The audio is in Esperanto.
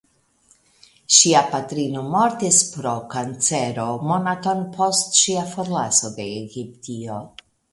Ŝia patrino mortis pro kancero monaton post ŝia forlaso de Egiptio.